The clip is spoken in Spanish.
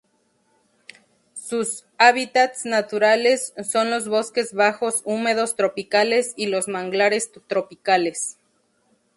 Sus hábitats naturales son los bosques bajos húmedos tropicales y los manglares tropicales.